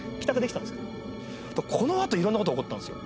このあと色んな事起こったんですよ。